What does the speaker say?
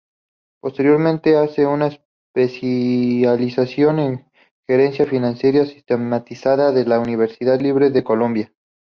Posteriormente, hace una especialización en Gerencia Financiera Sistematizada de la Universidad Libre de Colombia.